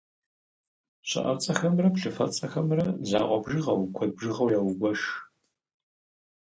Щыӏэцӏэхэмрэ плъыфэцӏэхэмрэ закъуэ бжыгъэу, куэд бжыгъэу яугуэш.